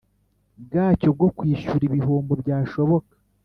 bwacyo bwo kwishyura ibihombo byashoboka